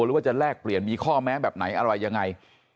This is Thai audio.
หรือว่าจะแลกเปลี่ยนมีข้อแม้แบบไหนอะไรยังไง